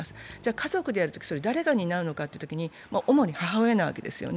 家族でやるとき、誰が担うのかというと主に母親なわけですね。